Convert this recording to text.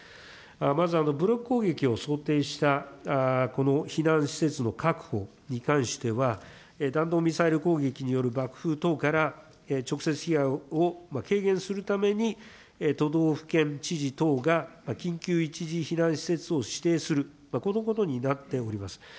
まずブロック攻撃を想定したこの避難施設の確保に関しては、弾道ミサイル攻撃による爆風等から直接被害を軽減するために、都道府県知事等が緊急一時避難施設を指定する、このことになっております。